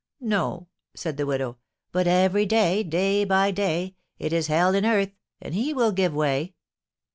No!" said the widow. "But every day day by day it is hell in earth, and he will give way."